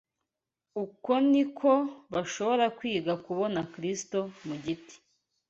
Uko ni ko bashobora kwiga kubona Kristo mu giti